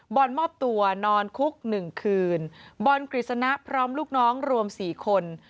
บอลมอบตัวนอนคุกหนึ่งคืนบอลกฤษณะพร้อมลูกน้องรวมสี่คน